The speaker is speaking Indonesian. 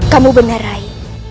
kamu benar rai